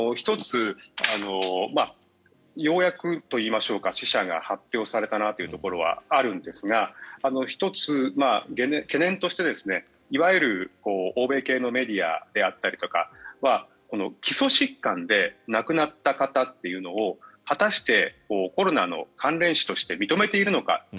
ようやくといいましょうか死者が発表されたなというところはあるんですが１つ懸念としていわゆる欧米系のメディアであったりとかは基礎疾患で亡くなった方というのを果たしてコロナの関連死として認めているのか。